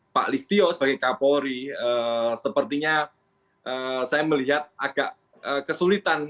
pak listio sebagai kapolri sepertinya saya melihat agak kesulitan